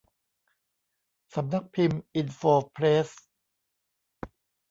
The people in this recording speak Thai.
สำนักพิมพ์อินโฟเพรส